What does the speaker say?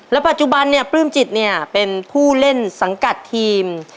ปัจจุบันเนี่ยปลื้มจิตเนี่ยเป็นผู้เล่นสังกัดทีม